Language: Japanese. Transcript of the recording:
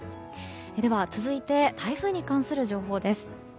では、続いて台風に関する情報です。